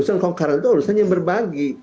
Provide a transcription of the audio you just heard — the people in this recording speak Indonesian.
urusan kongkaran itu urusan yang berbagi